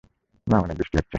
না, অনেক বৃষ্টি হচ্ছে।